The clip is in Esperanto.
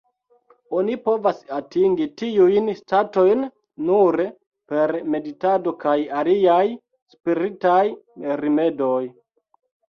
Oni povas atingi tiujn statojn nure per meditado kaj aliaj spiritaj rimedoj.